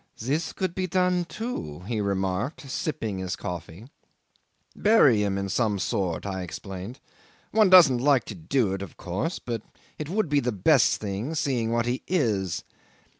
"This could be done, too," he remarked, sipping his coffee. "Bury him in some sort," I explained. "One doesn't like to do it of course, but it would be the best thing, seeing what he is."